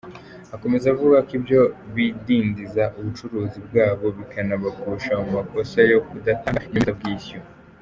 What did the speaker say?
Akomeza avuga ko ibyo ngo bidindiza ubucuruzi bwabo bikanabagusha mu makosa yo kudatanga inyemezabwishyu.